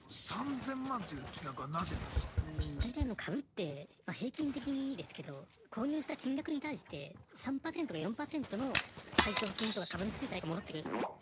大体株ってまあ平均的にですけど購入した金額に対して３％とか４％の配当金とか株主優待が戻ってくるんですね。